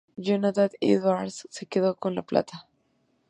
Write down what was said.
Jonathan Edwards se quedó con la plata.